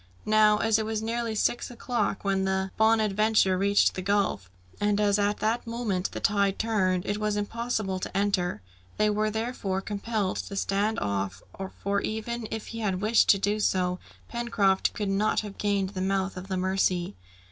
Now, as it was nearly six o'clock when the Bonadventure reached the gulf, and as at that moment the tide turned, it was impossible to enter. They were therefore compelled to stand off, for even if he had wished to do so, Pencroft could not have gained the mouth of the Mercy.